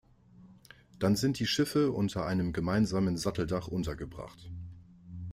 Dann sind die Schiffe unter einem gemeinsamen Satteldach untergebracht.